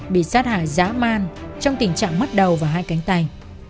bị sát hại giã man trong tình trạng mất đầu và hai cánh tay